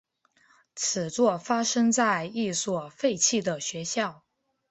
此作发生在一所废弃的学校。